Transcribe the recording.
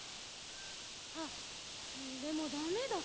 あっでもだめだ。